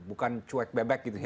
bukan cuek bebek gitu ya